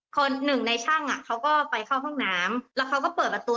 คนหนึ่งในช่างอ่ะเขาก็ไปเข้าห้องน้ำแล้วเขาก็เปิดประตู